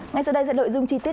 ngay sau đây sẽ đổi dung chi tiết